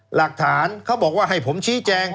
หลักฐานเขาบอกว่าให้ผมชี้แจง